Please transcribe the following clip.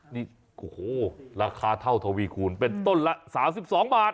นี่โอ้โหราคาเท่าทวีคูณเป็นต้นละ๓๒บาท